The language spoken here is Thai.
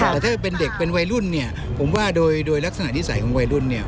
แต่ถ้าเป็นเด็กเป็นวัยรุ่นเนี่ยผมว่าโดยลักษณะนิสัยของวัยรุ่นเนี่ย